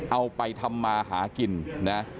เอาไปทำมาหากินนะ